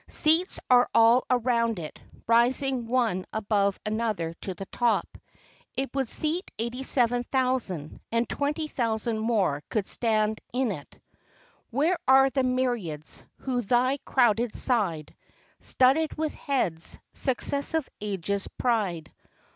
Seats are all around it, rising one above another to the top. It would seat 87,000, and 20,000 more could stand in it. Where are the myriads, who thy crowded side Studded with heads, successive ages' pride